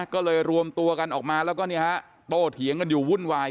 ก็เลยรวมตัวกันออกมาแล้วก็โตเถียงกันอยู่วุ่นวาย